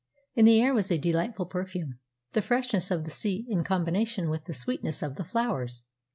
In the air was a delightful perfume, the freshness of the sea in combination with the sweetness of the flowers.